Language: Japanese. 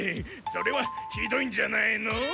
それはひどいんじゃないの？